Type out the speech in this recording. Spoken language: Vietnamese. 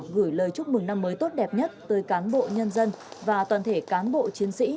gửi lời chúc mừng năm mới tốt đẹp nhất tới cán bộ nhân dân và toàn thể cán bộ chiến sĩ